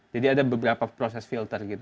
jadi ada beberapa proses filter gitu